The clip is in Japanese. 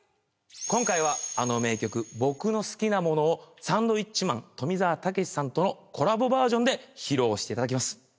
今回はあの名曲『僕の好きなもの』をサンドウィッチマン富澤たけしさんとのコラボバージョンで披露していただきます。